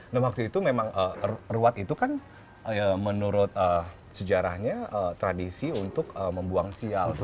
nah waktu itu memang ruat itu kan menurut sejarahnya tradisi untuk membuang sial